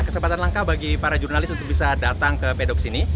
kesehatan langka bagi para jurnalis untuk bisa datang ke pedok sini